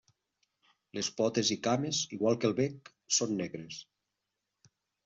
Les potes i cames, igual que el bec, són negres.